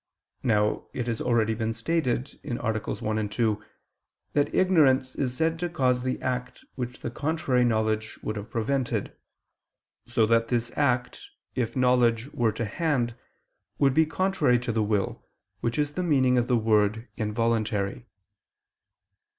Now it has already been stated (AA. 1, 2) that ignorance is said to cause the act which the contrary knowledge would have prevented; so that this act, if knowledge were to hand, would be contrary to the will, which is the meaning of the word involuntary.